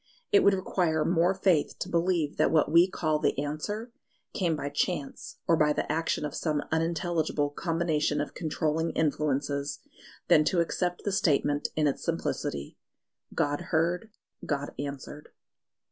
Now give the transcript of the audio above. It would require more faith to believe that what we call the Answer came by chance or by the action of some unintelligible combination of controlling influences, than to accept the statement in its simplicity God heard: God answered.